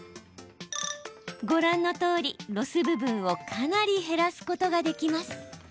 ご覧のとおり、ロス部分をかなり減らすことができます。